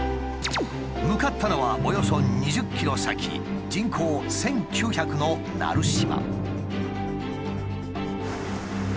向かったのはおよそ２０ｋｍ先人口１，９００の奈留島。